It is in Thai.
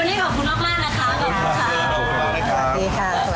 วันนี้ขอบคุณมากนะคะขอบคุณค่ะ